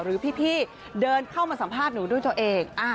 หรือพี่เดินเข้ามาสัมภาษณ์หนูด้วยตัวเอง